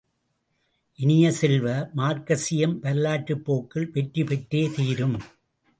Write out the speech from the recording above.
இனிய செல்வ, மார்க்சியம் வரலாற்றுப்போக்கில் வெற்றி பெற்றே தீரும்.